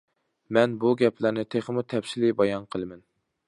مەن بۇ گەپلەرنى تېخىمۇ تەپسىلىي بايان قىلىمەن.